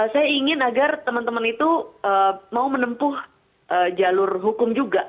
saya ingin agar teman teman itu mau menempuh jalur hukum juga